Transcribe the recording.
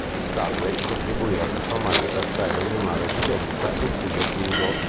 Dudley contribuì a trasformare il castello in una residenza in stile Tudor.